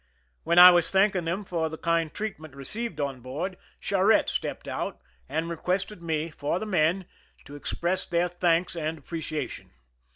When I was thanking them for the kind treatment received on board, Charette stepped out, and re quested me, for the men, to express their thanks and appreciation.